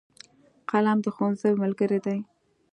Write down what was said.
قلم د ښوونځي ملګری دی.